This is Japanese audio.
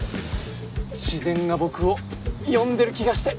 自然が僕を呼んでる気がして。